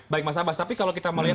baik mas abas tapi kalau kita melihat